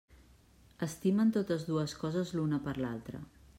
Estimen totes dues coses l'una per l'altra.